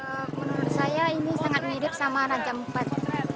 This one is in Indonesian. menurut saya ini sangat mirip sama raja empat